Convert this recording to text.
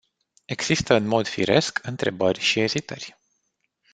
Există în mod firesc întrebări și ezitări.